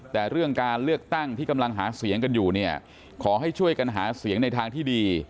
แต่เรื่องการเลือกตั้งที่กำลังหาเสียงกันอยู่เนี่ยขอให้ช่วยกันหาเสียงในทางที่ดี